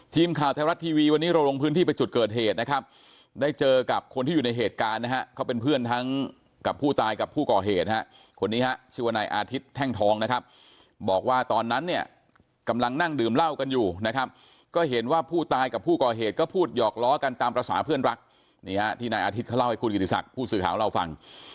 ทีมข่าวไทยรัฐทีวีวันนี้เราลงพื้นที่ไปจุดเกิดเหตุนะครับได้เจอกับคนที่อยู่ในเหตุการณ์นะฮะเขาเป็นเพื่อนทั้งกับผู้ตายกับผู้ก่อเหตุฮะคนนี้ฮะชื่อว่านายอาทิตย์แท่งทองนะครับบอกว่าตอนนั้นเนี่ยกำลังนั่งดื่มเหล้ากันอยู่นะครับก็เห็นว่าผู้ตายกับผู้ก่อเหตุก็พูดหยอกล้อกันตามภาษาเพื่อนรักนี่ฮะที่นายอาทิตย์เขาเล่าให้คุณกิติศักดิ์ผู้สื่อข่าวของเราฟัง